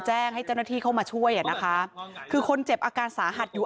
แจ้งให้เจ้าหน้าที่เข้ามาช่วยอ่ะนะคะคือคนเจ็บอาการสาหัสอยู่